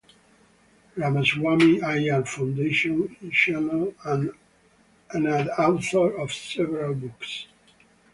Ramaswami Aiyar Foundation in Chennai and an author of several books.